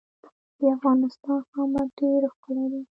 د افغانستان خامک ډیر ښکلی دی